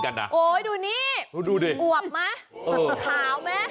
โอ้ยดูนี่อวบมั้ยขาวมั้ย